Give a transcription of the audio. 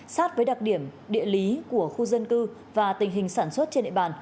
sát với đặc điểm địa lý của khu dân cư và tình hình sản xuất trên địa bàn